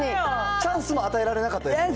チャンスも与えられなかったですもんね。